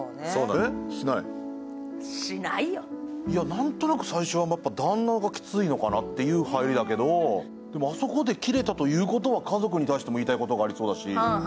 なんとなく最初は旦那がきついのかなっていう入りだけどでもあそこでキレたということは家族に対しても言いたいことありそうだし。